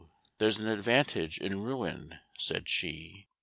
There's an advantage in ruin," said she.